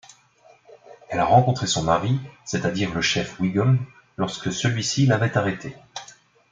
Elle a rencontré son mari, c’est-à-dire le Chef Wiggum, lorsque celui-ci l'avait arrêtée.